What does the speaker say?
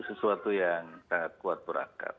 sesuatu yang sangat kuat berangkat